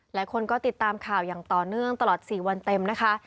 หลายคนก็ติดตามข่าวอย่างต่อเนื่องตลอด๔วันเต็มนะคะ